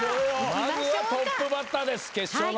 まずはトップバッターです決勝の。